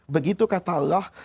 begitu kata allah